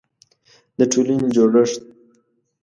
د ټولنې جوړښت